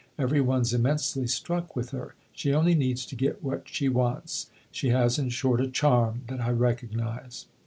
Every one's immensely struck with her. She only needs to get what she wants. She has in short a charm, that I recognise."